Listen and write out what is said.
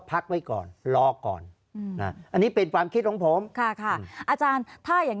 พักไว้ก่อนรอก่อนอืมนะอันนี้เป็นความคิดของผมค่ะค่ะอาจารย์ถ้าอย่าง